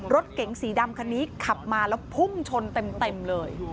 รถเก๋งสีดำคันนี้ขับมาแล้วพุ่งชนเต็มเลย